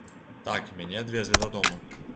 Так, мяне адвезлі дадому.